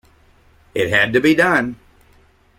It had to be done.